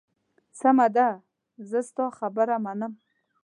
سمه ده، زه ستا خبره منم.